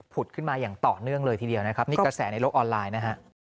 ขึ้นมาอย่างต่อเนื่องเลยทีเดียวนะครับนี่กระแสในโลกออนไลน์นะฮะ